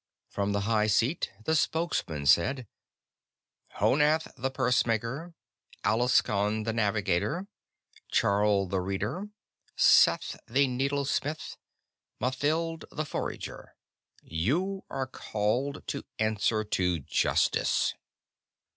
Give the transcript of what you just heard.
From the High Seat, the Spokesman said: "Honath the Pursemaker, Alaskon the Navigator, Charl the Reader, Seth the Needlesmith Mathild the Forager, you are called to answer to justice."